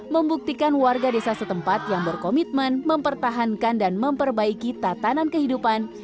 membuktikan warga desa setempat yang berkomitmen mempertahankan dan memperbaiki tatanan kehidupan